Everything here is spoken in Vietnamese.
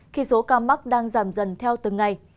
khi số ca mắc đang giảm dần theo từng ngày